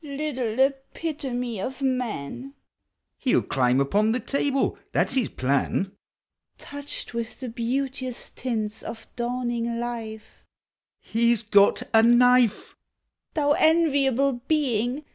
Little epitome of man! (He '11 climb upou the table, that 's his plan,) Touched with the beauteous tints of dawning life, (lie 's got a knife !) Thou enviable being!